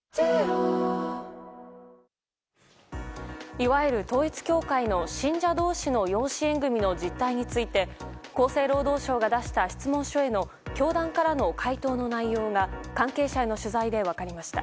いわゆる統一教会の信者同士の養子縁組の実態について厚生労働省が出した質問書への教団からの回答の内容が関係者への取材で分かりました。